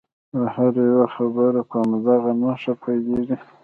د هر یوه خبره په همدغه نښه پیلیږي.